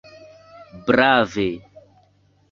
Brave!